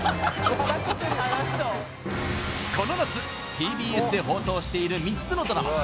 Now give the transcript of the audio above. この夏ＴＢＳで放送している３つのドラマ